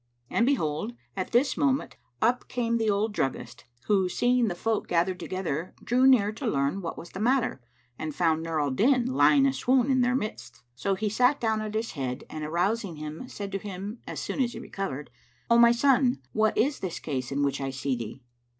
And behold, at this moment, up came the old druggist, who, seeing the folk gathered together, drew near to learn what was the matter and found Nur al Din lying a swoon in their midst. So he sat down at his head and arousing him, said to him as soon as he recovered, "O my son, what is this case in which I see thee?"